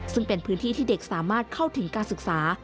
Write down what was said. ซึ่งเป็นพื้นที่ที่เด็กสามารถเข้าถึงการศึกษา